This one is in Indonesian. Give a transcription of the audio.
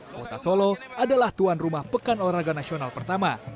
kota solo adalah tuan rumah pekan olahraga nasional pertama